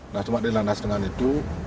nah cuma dilandas dengan itu